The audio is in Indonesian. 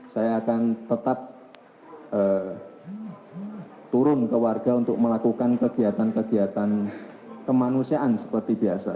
saya akan tetap turun ke warga untuk melakukan kegiatan kegiatan kemanusiaan seperti biasa